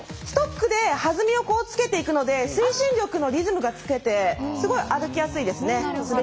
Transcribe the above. ストックで弾みをつけていくので推進力のリズムがつけて歩きやすいです。